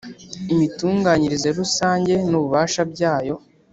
Imitunganyirize rusange n Ububasha byayo